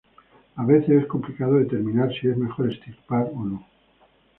A veces es complicado determinar si es mejor extirpar o no.